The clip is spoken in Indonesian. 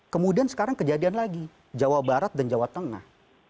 kemudian sekarang kejadian lagi jawa barat dan jawa tengah